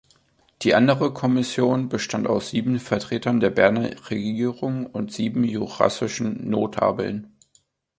Die andere Kommission bestand aus sieben Vertretern der Berner Regierung und sieben jurassischen Notabeln.